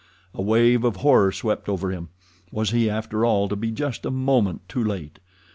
A wave of horror swept over him. Was he, after all, to be just a moment too late?